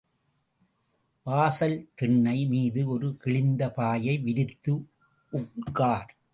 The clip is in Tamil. வாசல் திண்ணை மீது ஒரு கிழிந்த பாயை விரித்து, உட்கார்.